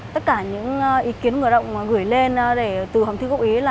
tất cả những ý kiến người lao động gửi lên từ hồng thư quốc ý